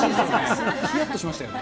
ひやっとしましたよね。